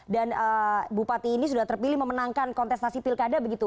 dan bupati ini sudah terpilih memenangkan kontestasi pilkada begitu